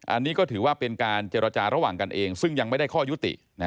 อันนี้ก็ถือว่าเป็นการเจรจาระหว่างกันเองซึ่งยังไม่ได้ข้อยุติ